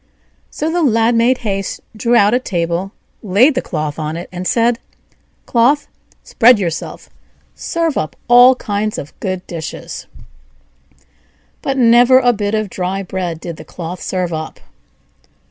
So the Lad made haste, drew out a table, laid the cloth on it, and said: "Cloth, spread yourself, and serve up all kinds of good dishes." But never a bit of dry bread did the cloth serve up.